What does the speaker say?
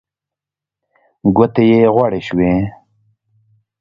ګوتې يې غوړې شوې.